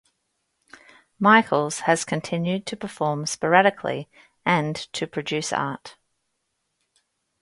Michaels has continued to perform sporadically and to produce art.